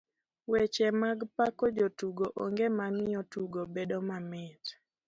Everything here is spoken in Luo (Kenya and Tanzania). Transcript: Weche mag pako jotugo onge mamiyo tugo bedo mamit.